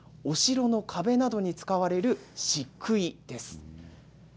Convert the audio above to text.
お城の壁などに使われているしっくいです。